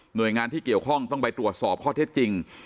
โดยงานที่เกี่ยวข้องต้องไปตรวจสอบข้อเท็จจริง